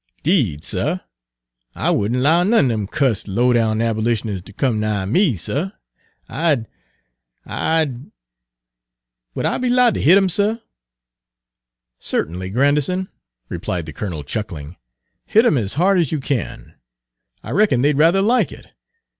"'Deed, suh, I would n' low none er dem cussed, low down abolitioners ter come nigh me, suh, I 'd I 'd would I be 'lowed ter hit 'em, suh?" "Certainly, Grandison," replied the colonel, chuckling, "hit 'em as hard as you can. I Page 181 reckon they 'd rather like it.